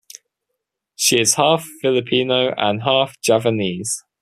She is half-Filipino and half-Javanese.